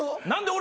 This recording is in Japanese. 俺？